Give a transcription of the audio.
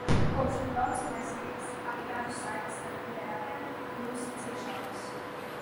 Kopš ir braucamais rīks arī radu saites ar Viļa radiem kļūs ciešākas.